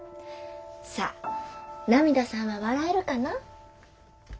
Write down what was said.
さあナミダさんは笑えるかな？